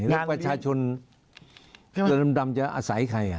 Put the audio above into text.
แล้วประชาชนเรือดำจะอาศัยใคร